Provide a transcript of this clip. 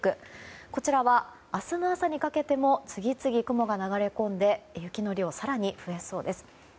こちらは明日の朝にかけても次々に雲が流れ込んで雪の量、更に増えそうです。